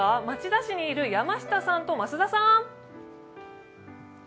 町田市にいる山下さんと増田さん！